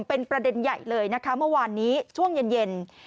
เป็นประเด็นใหญ่เลยนะคะเมื่อวานนี้ช่วงเย็น